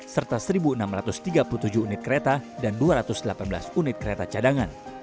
serta satu enam ratus tiga puluh tujuh unit kereta dan dua ratus delapan belas unit kereta cadangan